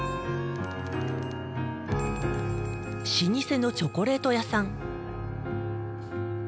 老舗のチョコレート屋さん。